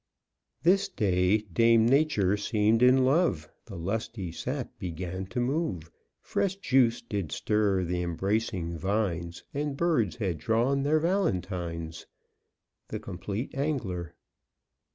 This day Dame Nature seemed in love: The lusty sap began to move; Fresh juice did stir th' embracing Vines, And birds had drawn their Valentines. _The Complete Angler.